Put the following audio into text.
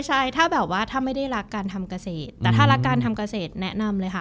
ใช่ถ้าแบบว่าถ้าไม่ได้รักการทำเกษตรแต่ถ้ารักการทำเกษตรแนะนำเลยค่ะ